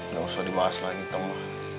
nggak usah dibahas lagi temu